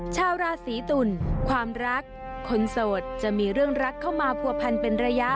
ชาวราศีตุลความรักคนโสดจะมีเรื่องรักเข้ามาผัวพันเป็นระยะ